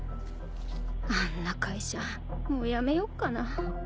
あんな会社もう辞めよっかな。